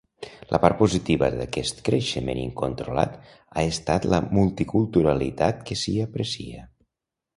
La part positiva d'aquest creixement incontrolat ha estat la multiculturalitat que s'hi aprecia.